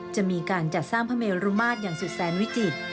จะมีการจัดสร้างพระเมรุมาตรอย่างสุดแสนวิจิตร